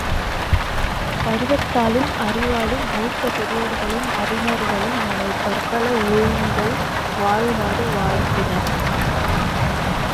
பருவத்தாலும் அறிவாலும் மூத்த பெரியோர்களும் அறிஞர்களும் அவனைப் பற்பல ஊழிகள் வாழுமாறு வாழ்த்தினர்.